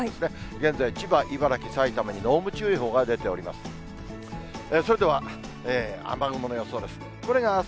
現在、千葉、茨城、埼玉に濃霧注意報が出ております。